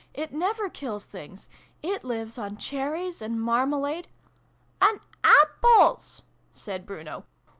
It never kills things! It lives on cherries, and marmalade '" and apples f " said Bruno.